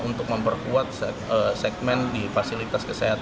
untuk memperkuat segmen di fasilitas kesehatan